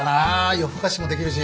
夜更かしもできるし。